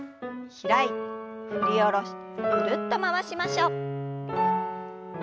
開いて振り下ろしてぐるっと回しましょう。